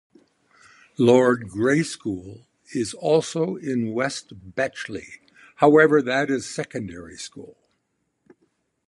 Lord Grey School is also in West Bletchley, however that is a Secondary School.